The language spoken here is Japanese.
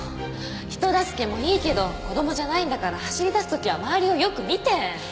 人助けもいいけど子供じゃないんだから走り出す時は周りをよく見て。